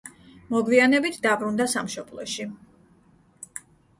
მოგვიანებით დაბრუნდა სამშობლოში.